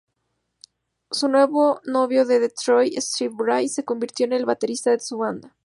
Su novio de Detroit, Stephen Bray, se convirtió en el baterista de su banda.